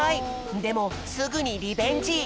でもすぐにリベンジ。